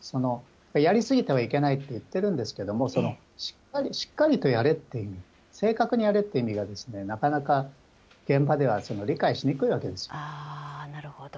やり過ぎてはいけないと言ってるんですけれども、しっかりとやれっていう意味、正確にやれっていう意味がなかなか、現場では理解なるほど。